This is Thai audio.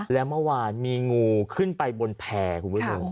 และเมื่อวานมีงูขึ้นไปบนแผ่ครับ